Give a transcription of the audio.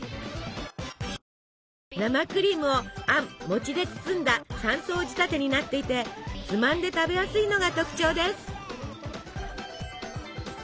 生クリームをあん餅で包んだ３層仕立てになっていてつまんで食べやすいのが特徴です。